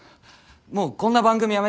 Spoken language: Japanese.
もうこんな番組やめて。